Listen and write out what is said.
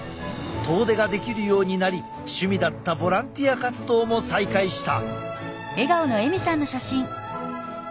遠出ができるようになり趣味だったボランティア活動も再開した。